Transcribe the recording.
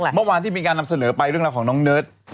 เมื่อวานที่มีการนำเสนอไปเรื่องราวของน้องเนิร์ด